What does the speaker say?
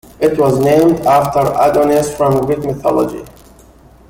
It was named after Adonis from Greek mythology.